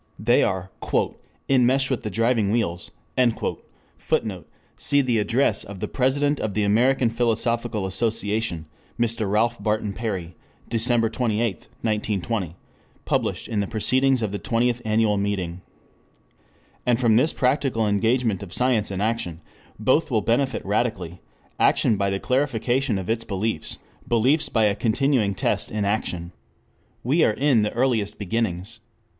They are "in mesh with the driving wheels" [Footnote: Cf. The Address of the President of the American Philosophical Association, Mr. Ralph Barton Perry, Dec. 28, 1920. Published in the Proceedings of the Twentieth Annual Meeting.] and from this practical engagement of science and action, both will benefit radically: action by the clarification of its beliefs; beliefs by a continuing test in action. We are in the earliest beginnings.